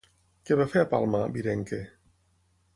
Què va fer a Palma, Virenque?